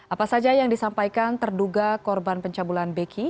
apa saja yang disampaikan terduga korban pencabulan beki